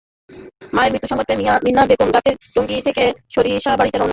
মায়ের মৃত্যুসংবাদ পেয়ে মিনা বেগম রাতেই টঙ্গী থেকে সরিষাবাড়ীতে রওনা দেন।